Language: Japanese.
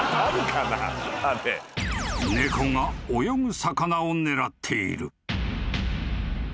［猫が泳ぐ魚を狙っている］